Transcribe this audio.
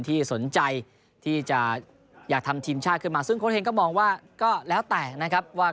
ที่สนใจที่จะอยากทำทีมชาติขึ้นมาซึ่งโค้เฮงก็มองว่าก็แล้วแต่นะครับว่า